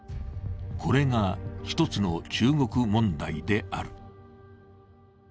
これが、一つの中国問題である。